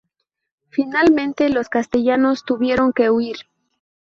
Finalmente, los castellanos tuvieron que huir.